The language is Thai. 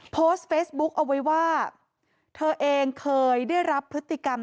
โพสต์เฟสบุ๊คเอาไว้ว่า